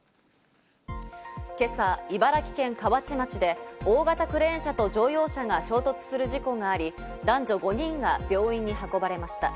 今朝、茨城県河内町で大型クレーン車と乗用車が衝突する事故があり、男女５人が病院に運ばれました。